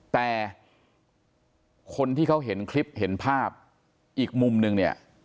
แต่คนที่เขาเห็นคลิปเห็นภาพอีกมุมนึงเนี่ย